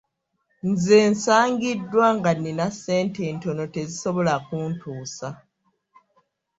Nze nsangiddwa nga nnina ssente ntono tezisobola kuntuusa.